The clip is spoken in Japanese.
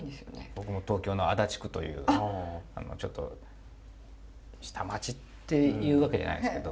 僕も東京の足立区というちょっと下町っていうわけじゃないですけど。